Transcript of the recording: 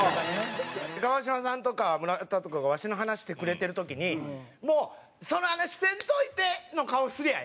川島さんとか村田とかがワシの話してくれてる時に「もうその話せんといて」の顔すりゃあええやん。